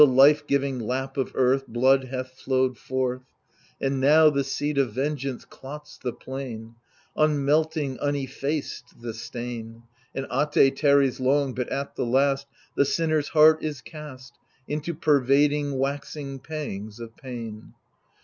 84 THE LIBATION BEARERS On the life giving lap of Earth Blood hath flowed forth ; And now, the seed of vengeance, clots the plain— Unmelting, unef&ced the stain. And At^ tarries long, but at the last The sinner's heart is cast Into pervading, waxing pangs of pain.